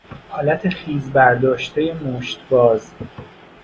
حالت خیز برداشتهی مشت باز